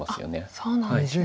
そうなんですね。